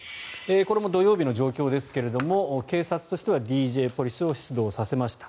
これも土曜日の状況ですが警察としてはＤＪポリスを出動させました。